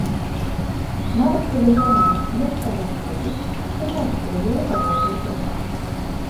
Нават калі яна нешта захопіць, то не здолее гэта ўтрымаць.